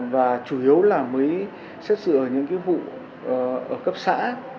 và chủ yếu là mới xét xử ở những vụ cấp xã